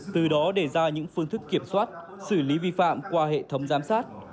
từ đó đề ra những phương thức kiểm soát xử lý vi phạm qua hệ thống giám sát